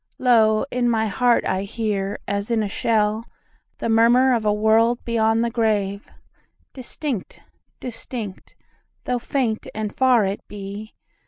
Lo, in my heart I hear, as in a shell, The murmur of a world beyond the grave, Distinct, distinct, though faint and far it be.